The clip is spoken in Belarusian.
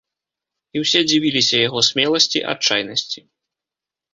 І ўсе дзівіліся яго смеласці, адчайнасці.